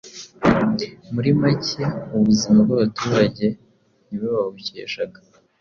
Muri make ubuzima bw’abaturage niwe babucyeshaga